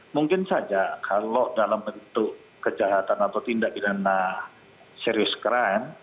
mungkin saja kalau dalam bentuk kejahatan atau tindak pidana serius crime